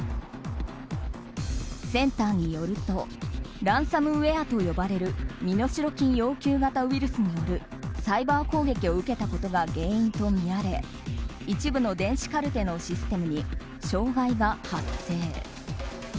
センターによるとランサムウェアと呼ばれる身代金要求型ウイルスによるサイバー攻撃を受けたことが原因とみられ一部の電子カルテのシステムに障害が発生。